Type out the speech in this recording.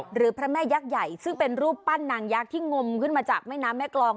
พระแม่ยักษ์ใหญ่ซึ่งเป็นรูปปั้นนางยักษ์ที่งมขึ้นมาจากแม่น้ำแม่กรอง